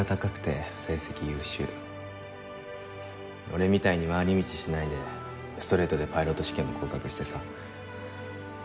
俺みたいに回り道しないでストレートでパイロット試験も合格してさ。